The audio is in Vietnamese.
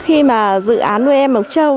khi mà dự án nuôi em mộc châu